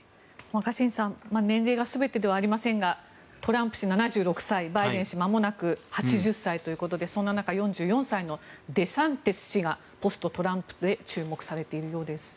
若新さん年齢が全てではありませんがトランプ氏７６歳、バイデン氏まもなく８０歳ということでそんな中４４歳のデサンティス氏がポストトランプで注目されているようです。